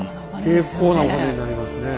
結構なお金になりますね。